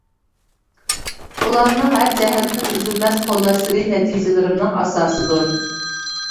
ئۇلارنىڭ ھەر جەھەتتىن ئۈزۈلمەس قوللاشلىرى نەتىجىلىرىمنىڭ ئاساسىدۇر.